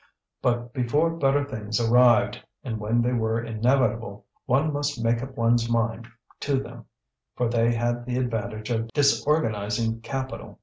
But before better things arrived, and when they were inevitable, one must make up one's mind to them, for they had the advantage of disorganizing capital.